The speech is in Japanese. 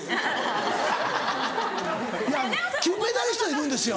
いや金メダリストいるんですよ